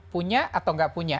punya atau nggak punya